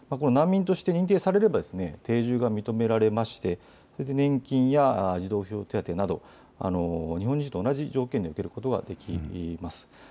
難民として認定されれば定住が認められまして年金や児童扶養手当など日本人と同じ条件で受けることができます。